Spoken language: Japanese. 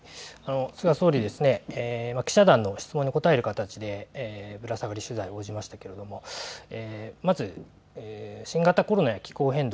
菅総理は記者団の質問に答える形でぶら下がり取材に応じましたけれどもまず新型コロナや気候変動